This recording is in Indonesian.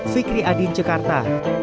fikri adin cekarta